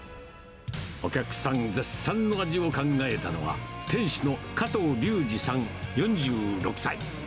お客さん絶賛の味を考えたのは、店主の加藤竜司さん４６歳。